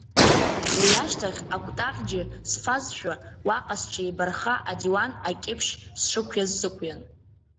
Уи ашьҭахь, акәтаӷьџьы сфазшәа, уаҟа сҽеибархха адиуан акьыԥшь сшықәиаз сықәиан.